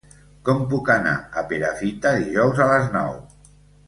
Com puc anar a Perafita dijous a les nou?